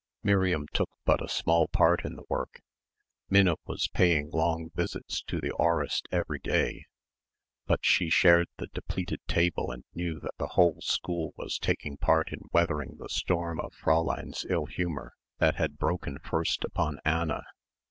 Miriam took but a small part in the work Minna was paying long visits to the aurist every day but she shared the depleted table and knew that the whole school was taking part in weathering the storm of Fräulein's ill humour that had broken first upon Anna.